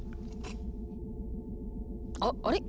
あっあれ？